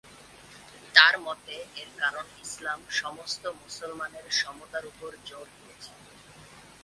তাঁর মতে, এর কারণ ইসলাম সমস্ত মুসলমানের সমতার উপর জোর দিয়েছে।